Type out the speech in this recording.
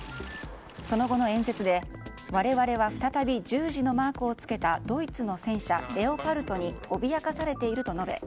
その後の演説で、我々は再び十字のマークを付けたドイツの戦車レオパルトに脅かされていると述べ